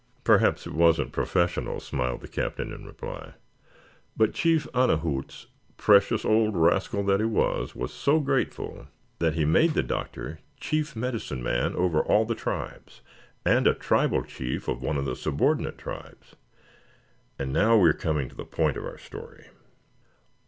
"Perhaps it wasn't professional," smiled the Captain in reply. "But Chief Anna Hoots precious old rascal that he was was so grateful that he made the Doctor chief medicine man over all the tribes and a tribal chief of one of the subordinate tribes. And now we are coming to the point of our story.